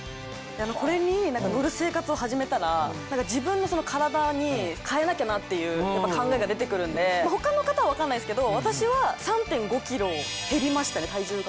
これに乗る生活を始めたら自分の体に変えなきゃなっていう考えが出てくるんで他の方は分かんないですけど私は３．５ｋｇ減りましたね体重が。